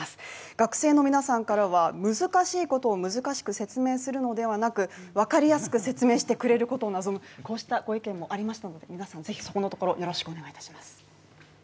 学生の皆さんからは難しいことを難しく説明するのではなくわかりやすく説明してくれることを望むご意見もありましたので皆さんぜひそこのところよろしくお願いいたします